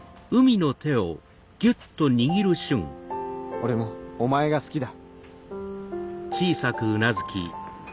俺もお前が好きだ。